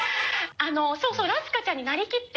そうそうラスカちゃんになりきって。